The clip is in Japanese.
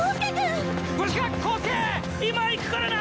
今行くからな！